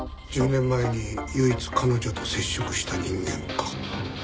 １０年前に唯一彼女と接触した人間か。